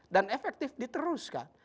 dan efektif diteruskan